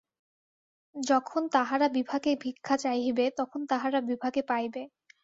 যখন তাহারা বিভাকে ভিক্ষা চাহিবে, তখন তাহারা বিভাকে পাইবে।